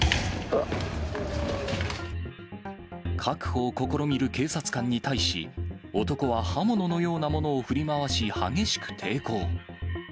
確保を試みる警察官に対し、男は刃物のようなものを振り回し激しく抵抗。